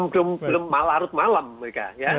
belum malarut malam mereka